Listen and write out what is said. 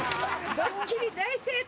ドッキリ大成功！